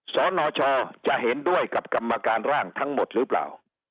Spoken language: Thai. สนชจะเห็นด้วยกับกรรมการร่างทั้งหมดหรือเปล่า